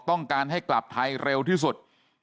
ต้องการให้กลับไทยเร็วที่สุด